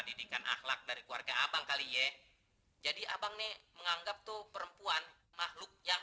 didikan akhlak dari keluarga abang kali ye jadi abang nih menganggap tuh perempuan makhluk yang